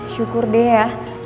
syukur deh ya